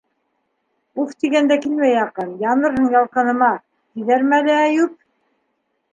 «Уф» тигәндә килмә яҡын, янырһың ялҡыныма! - тиҙәр мәле, Әйүп...